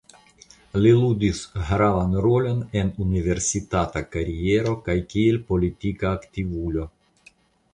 Li ludis gravan rolon en universitata kariero kaj kiel politika aktivulo.